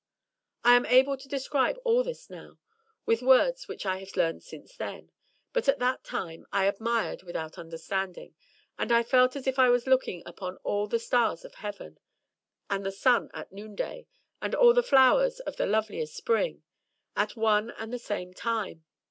I am able to describe all this now, with words which I have learned since then; but at that time I admired without under standing, and I felt as if I was looking upon all the Stars of Heaven, and the Sun at Noonday, and all the Flowers of the loveliest Spring— at one and the same time!